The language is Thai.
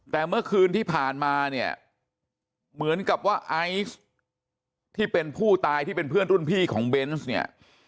แต่เมื่อคืนที่ผ่านมาเนี่ยเหมือนกับว่าไอซ์ที่เป็นผู้ตายที่เป็นเพื่อนรุ่นพี่ของเบนส์เนี่ย